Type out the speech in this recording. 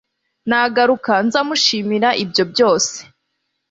nagaruka nza mushimira ibyo byose